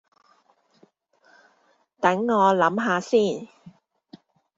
等我諗吓先